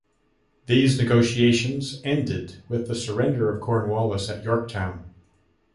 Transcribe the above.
These negotiations ended with the surrender of Cornwallis at Yorktown.